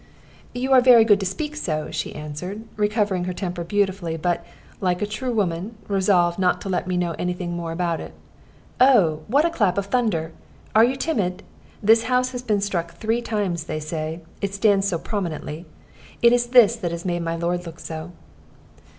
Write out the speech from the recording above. "You are very good to speak so," she answered, recovering her temper beautifully, but, like a true woman, resolved not to let me know any thing more about it. "Oh, what a clap of thunder! Are you timid? This house has been struck three times, they say. It stands so prominently. It is this that has made my lord look so."